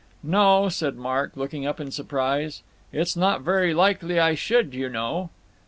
"No," said Mark, looking up in surprise. "It's not very likely I should, you know."